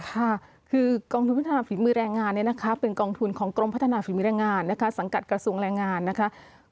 ค่ะคือกองทุนพัฒนาฝีมือแรงงานเนี่ยนะคะเป็นกองทุนของกรมพัฒนาฝีมือแรงงานนะคะสังกัดกระทรวงแรงงานนะคะ